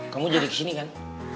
kamu jadi kesini kan